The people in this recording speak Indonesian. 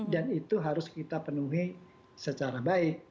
dan itu harus kita penuhi secara baik